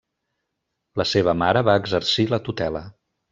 La seva mare va exercir la tutela.